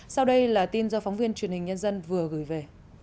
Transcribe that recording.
sau đây là tin do phóng viên truyền hình nhân dân vừa gửi về